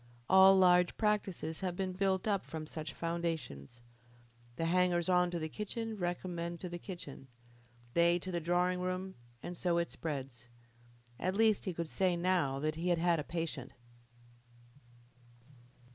All large practices have been built up from such foundations. The hangers on to the kitchen recommend to the kitchen, they to the drawing room, and so it spreads. At least he could say now that he had had a patient.